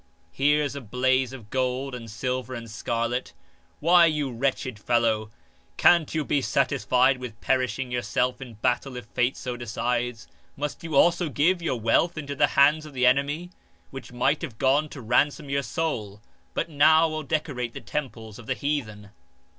" Here's a blaze of gold and silver and scarlet ! Why, you wretched fellow, can't you be satisfied with perishing yourself in battle if Fate so decides ? Must you also give your wealth into the hands of the enemy ; which might have gone to ransom your soul, but now will decorate the temples of the heathen